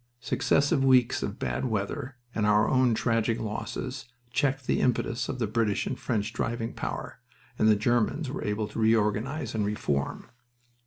Successive weeks of bad weather and our own tragic losses checked the impetus of the British and French driving power, and the Germans were able to reorganize and reform.